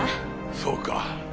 そうか。